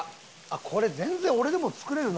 これ全然俺でも作れるな家で。